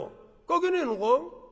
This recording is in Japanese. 描けねえのか？」。